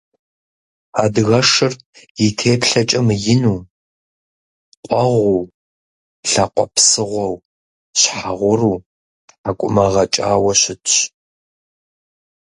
Адыгэшыр и теплъэкӀэ мыину, къуэгъуу, лъакъуэ псыгъуэу, щхьэ гъуру, тхьэкӀумэ гъэкӀауэ щытщ.